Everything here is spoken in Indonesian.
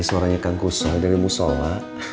suaranya kang gusang dari musola